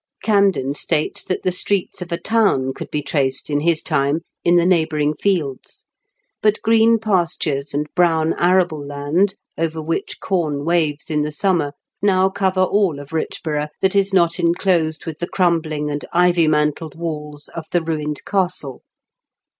Camden states that the streets of a town could be traced in his time in the neighbouring fields; but green pastures and brown araWe land over which com waves in the summer now cover all of Kichborough that is not enclosed with the crumbling and ivy mantled walls of the ruined castle.